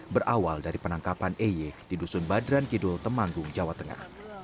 berawal dari penangkapan eye di dusun badran kidul temanggung jawa tengah